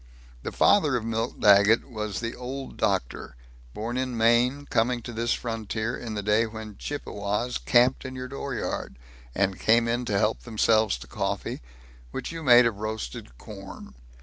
The father of Milt Daggett was the Old Doctor, born in Maine, coming to this frontier in the day when Chippewas camped in your dooryard, and came in to help themselves to coffee, which you made of roasted corn.